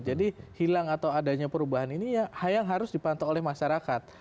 jadi hilang atau adanya perubahan ini yang harus dipantau oleh masyarakat